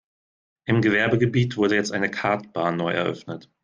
Im Gewerbegebiet wurde jetzt eine Kartbahn neu eröffnet.